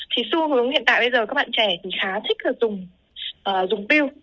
thì xu hướng hiện tại bây giờ các bạn trẻ thì khá thích là dùng piu